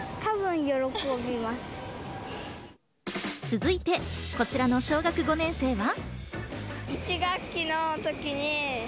続いて、こちらの小学５年生は。